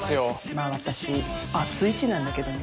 まあ私バツイチなんだけどね。